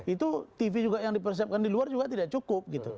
itu tv juga yang dipersiapkan di luar juga tidak cukup gitu